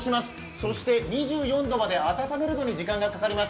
そして２４度まで温めるのに時間がかかります。